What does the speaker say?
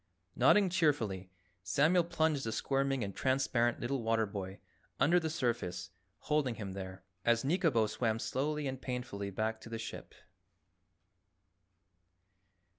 Nodding cheerfully, Samuel plunged the squirming and transparent little water boy under the surface, holding him there, as Nikobo swam slowly and painfully back to the ship.